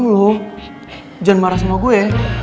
jangan marah sama gue